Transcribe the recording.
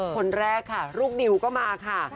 คนแรกค่ะลูกดิวก็มาค่ะ